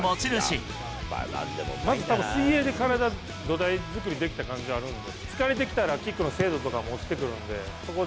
まずたぶん、水泳で体の土台作りができた感じがあるんで。